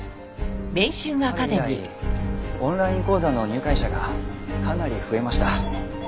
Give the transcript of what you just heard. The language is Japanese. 春以来オンライン講座の入会者がかなり増えました。